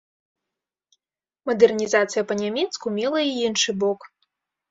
Мадэрнізацыя па-нямецку мела і іншы бок.